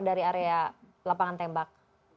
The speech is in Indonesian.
dari area lapangan tembak